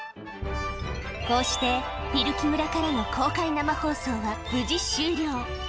こうして、ピルキ村からの公開生放送は無事終了。